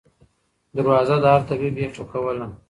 دروازه د هر طبیب یې ټکوله